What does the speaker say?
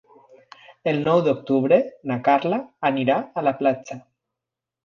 El nou d'octubre na Carla anirà a la platja.